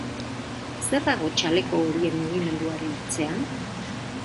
Zer dago txaleko horien mugimenduaren atzean?